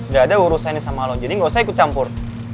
gak ada urusan yang sama lo jadi gak usah ikut campur